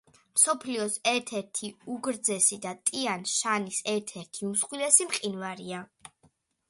მსოფლიოს ერთ-ერთი უგრძესი და ტიან-შანის ერთ-ერთი უმსხვილესი მყინვარია.